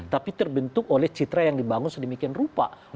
tapi terbentuk oleh citra yang dibangun sedemikian rupa